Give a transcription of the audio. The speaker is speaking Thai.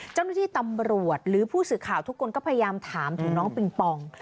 เจ้าหน้าที่ตำรวจหรือผู้สื่อข่าวทุกคนก็พยายามถามถึงน้องปิงปอง